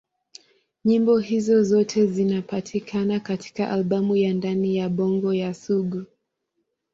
Nyimbo hizo zote zinapatikana katika albamu ya Ndani ya Bongo ya Sugu.